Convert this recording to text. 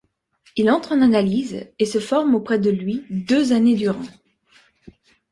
Il entre en analyse et se forme auprès de lui deux années durant.